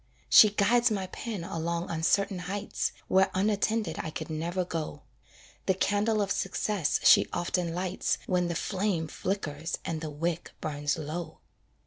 She guides my pen along uncertain heights, Where unattended I could never go; The candle of success she often lights When the flame flickers and the wick burns low.